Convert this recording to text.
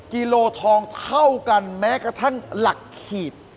กิโลทองเท่ากันแม้กระทั่งหลักขีด